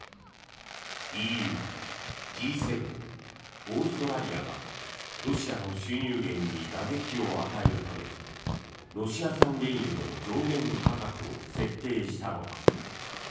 ＥＵ、Ｇ７、オーストラリアがロシアの収入減に打撃を与えるためロシア産原油の上限価格を設定したのだ。